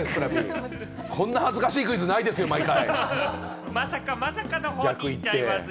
こんな恥ずかしいクイズないですよ、毎回。